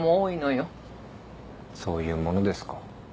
そういうものですか。